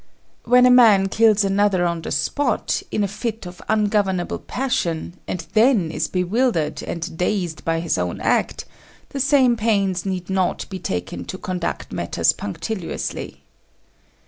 When a man kills another on the spot, in a fit of ungovernable passion, and then is bewildered and dazed by his own act, the same pains need not be taken to conduct matters punctiliously.